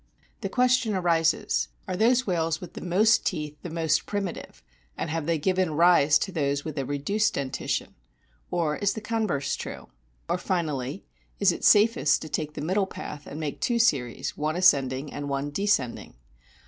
The question arises, Are those whales with the 72 A BOOK OF' WHALES most teeth the most primitive, and have they given rise to those with a reduced dentition ? Or is the converse true ? Or finally, is it safest to take the middle path and make two series, one ascending and one descending?